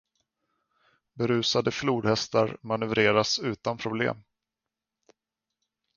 Berusade flodhästar manövreras utan problem.